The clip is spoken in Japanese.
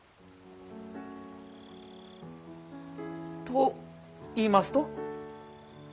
と言いますと？